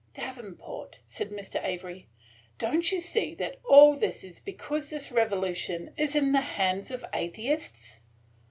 "Davenport," said Mr. Avery, "don't you see that all this is because this revolution is in the hands of atheists?"